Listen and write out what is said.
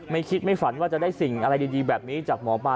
ไม่คิดไม่ฝันว่าจะได้สิ่งอะไรดีแบบนี้จากหมอปลา